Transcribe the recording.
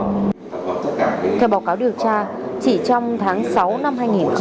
theo báo cáo điều tra chỉ trong tháng sáu năm hai nghìn hai mươi